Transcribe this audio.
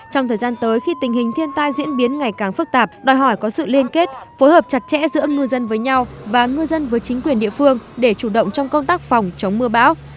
trong thời gian tới khi tình hình thiên tai diễn biến ngày càng phức tạp đòi hỏi có sự liên kết phối hợp chặt chẽ giữa ngư dân với nhau và ngư dân với chính quyền địa phương để chủ động trong công tác phòng chống mưa bão